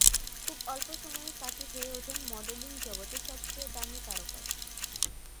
খুব অল্প সময়ে সাকিব হয়ে ওঠেন মডেলিং জগতের সবচেয়ে দামি তারকায়।